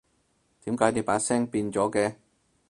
點解你把聲變咗嘅？